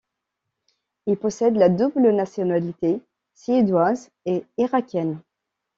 Il possède la double nationalité, suédoise et irakienne.